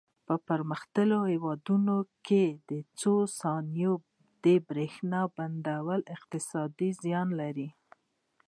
په پرمختللو هېوادونو کې څو ثانیې د برېښنا بندېدل اقتصادي زیان لري.